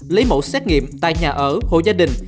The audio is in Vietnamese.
lấy mẫu xét nghiệm tại nhà ở hộ gia đình